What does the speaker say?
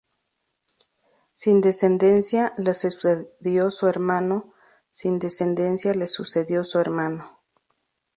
Sin descendencia, le sucedió su hermano. Sin descendencia, le sucedió su hermano.